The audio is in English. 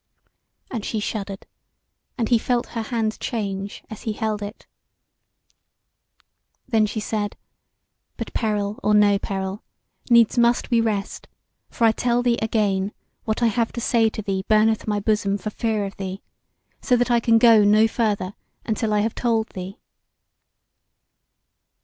And she shuddered, and he felt her hand change as he held it. Then she said: "But peril or no peril, needs must we rest; for I tell thee again, what I have to say to thee burneth my bosom for fear of thee, so that I can go no further until I have told thee."